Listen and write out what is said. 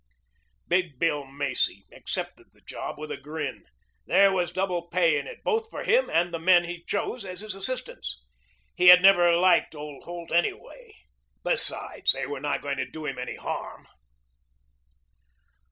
Big Bill Macy accepted the job with a grin. There was double pay in it both for him and the men he chose as his assistants. He had never liked old Holt anyhow. Besides, they were not going to do him any harm.